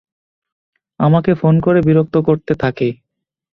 আমাকে ফোন করে বিরক্ত করতে থাকে।